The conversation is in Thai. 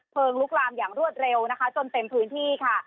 ลุกลามอย่างรวดเร็วนะคะจนเต็มพื้นที่ค่ะ